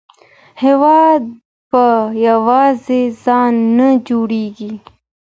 هېواد په یوازې ځان نه جوړیږي.